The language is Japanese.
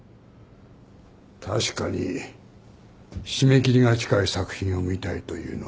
確かに締め切りが近い作品を見たいというのは無理があった。